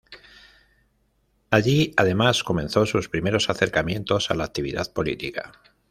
Allí además comenzó sus primeros acercamientos a la actividad política.